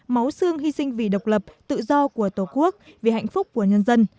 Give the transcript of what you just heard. máu xương hy sinh vì độc lập tự do của tổ quốc vì hạnh phúc của nhân dân